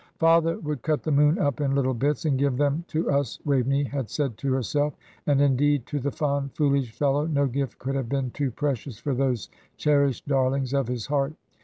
"Father would cut the moon up in little bits and give them to us," Waveney had said to herself. And, indeed, to the fond, foolish fellow, no gift could have been too precious for those cherished darlings of his heart.